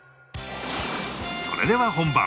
それでは本番